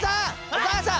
お母さん！